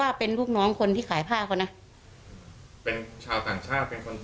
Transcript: แต่ห้องนี้มีคนที่เข้าออกส่วนมากจะเป็นใคร